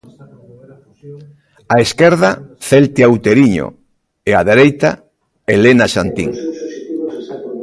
Á esquerda, Zeltia Outeiriño e á dereita Helena Santín.